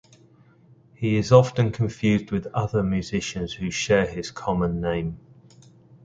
He is often confused with other musicians who share his common name.